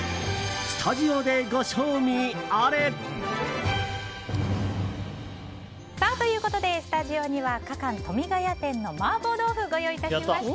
スタジオでご賞味あれ！ということでスタジオにはかかん富ヶ谷店の麻婆豆腐ご用意いたしました。